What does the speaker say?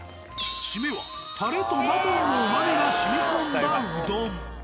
シメはたれとマトンのうまみが染み込んだうどん。